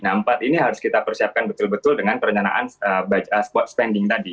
nah empat ini harus kita persiapkan betul betul dengan perencanaan spot spending tadi